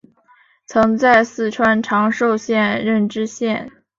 曾在四川长寿县任知县。